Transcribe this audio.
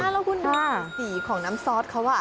ใช่มั้ยแล้วคุณดูสีของน้ำซอสเค้าว่ะ